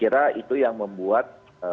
itu yang membuat